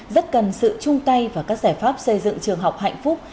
rất cần sự chung tay và các giải pháp xây dựng trường học hạnh phúc